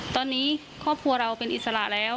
ตอนนี้ครอบครัวเราเป็นอิสระแล้ว